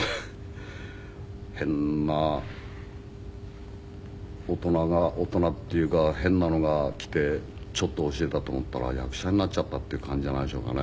変な大人が大人っていうか変なのが来てちょっと教えたと思ったら役者になっちゃったっていう感じじゃないでしょうかね。